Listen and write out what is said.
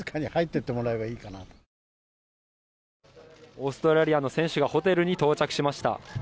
オーストラリアの選手がホテルに到着しました。